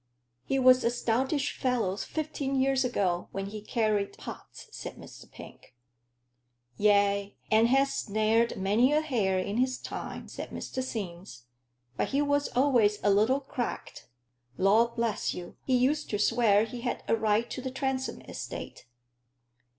"He was a stoutish fellow fifteen year ago, when he carried pots," said Mr. Pink. "Ay, and has snared many a hare in his time," said Mr. Sims. "But he was always a little cracked. Lord bless you! he used to swear he had a right to the Transome estate."